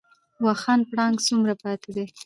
واخان پړانګ څومره پاتې دي؟